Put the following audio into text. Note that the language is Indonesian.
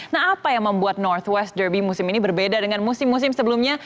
nah apa yang membuat north west derby musim ini berbeda dengan musim musim sebelumnya